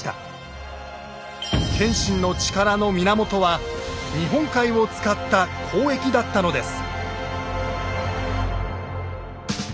謙信の力の源は日本海を使った交易だったのです。